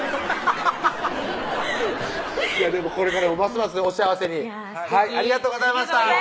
ハハハハハッでもこれからもますますお幸せにありがとうございました